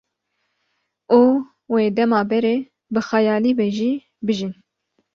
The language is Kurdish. û wê dema berê bi xeyalî be jî bijîn